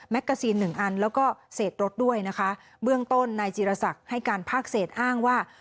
กาซีนหนึ่งอันแล้วก็เศษรถด้วยนะคะเบื้องต้นนายจีรศักดิ์ให้การภาคเศษอ้างว่า